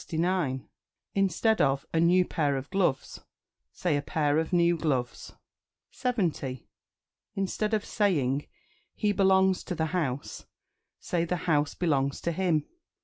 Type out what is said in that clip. Instead of "A new pair of gloves," say "A pair of new gloves." 70. Instead of saying "He belongs to the house," say "The house belongs to him."